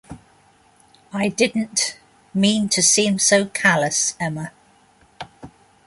I didn't — mean to seem so callous, Emma.